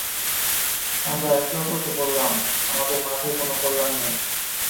আমরা একে অপরকে বললাম, আমাদের মাঝে কোন কল্যাণ নেই।